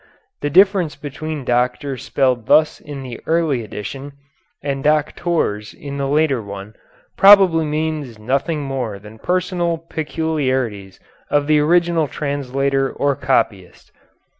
The difference between doctor spelled thus in the early edition, and doctours in the later one, probably means nothing more than personal peculiarities of the original translator or copyist.